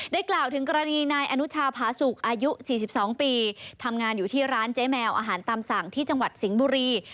กล่าวถึงกรณีนายอนุชาพาสุกอายุ๔๒ปีทำงานอยู่ที่ร้านเจ๊แมวอาหารตามสั่งที่จังหวัดสิงห์บุรี